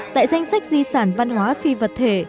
tại danh sách di sản văn hóa phi vật thể